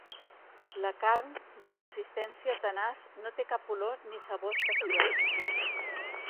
La carn, de consistència tenaç, no té cap olor ni sabor especials.